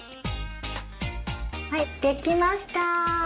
はい出来ました！